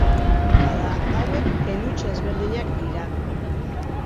Bada, hauek pelutxe ezberdinak dira.